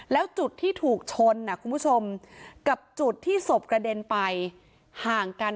แล้วจุดที่ถูกชนคุณผู้ชมกับจุดที่ศพกระเด็นไปห่างกัน